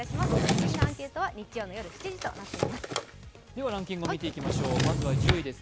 次のアンケートは日曜夜７時となっています。